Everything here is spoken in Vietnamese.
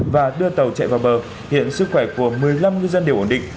và đưa tàu chạy vào bờ hiện sức khỏe của một mươi năm ngư dân đều ổn định